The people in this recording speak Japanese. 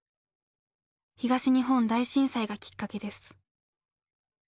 東日本大震災がきっかけです。